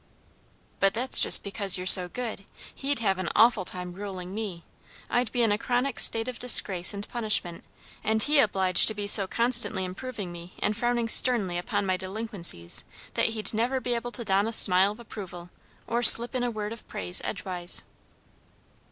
"But that's just because you're so good; he'd have an awful time ruling me. I'd be in a chronic state of disgrace and punishment; and he obliged to be so constantly improving me and frowning sternly upon my delinquencies that he'd never be able to don a smile of approval or slip in a word of praise edgewise."